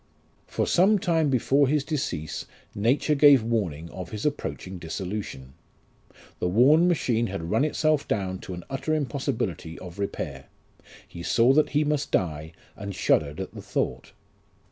For some time before his decease nature gave warning of his approaching dissolution. The worn machine had run itself down to an utter impossibility of repair ; he saw that he must die, and shuddered at the thought.